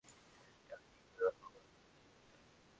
একটা বিখ্যাত শেফকে নিয়ে লেখা একটা আর্টিকেল হওয়ার কথা ছিল এটা।